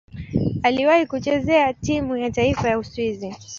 Aliwahi kucheza timu ya taifa ya Uswisi.